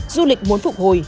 du lịch muốn phục hồi